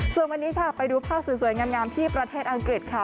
ส่วนวันนี้ค่ะไปดูภาพสวยงามที่ประเทศอังกฤษค่ะ